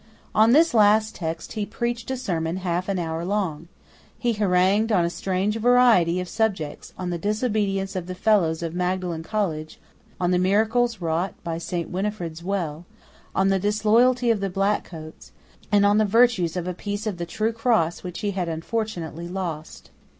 On this last text he preached a sermon half an hour long. He harangued on a strange variety of subjects, on the disobedience of the fellows of Magdalene College, on the miracles wrought by Saint Winifred's well, on the disloyalty of the black coats, and on the virtues of a piece of the true cross which he had unfortunately lost.